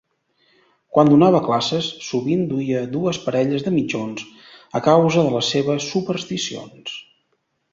Quan donava classes, sovint duia dues parelles de mitjons a causa de les seves supersticions.